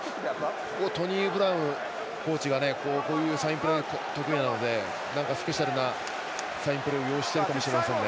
トニー・ブラウンコーチがこういうサインプレー得意なのでスペシャルなサインプレーを用意しているかもしれません。